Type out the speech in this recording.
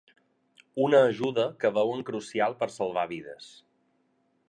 Una ajuda que veuen crucial per salvar vides.